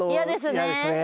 嫌ですね。